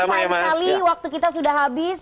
sayang sekali waktu kita sudah habis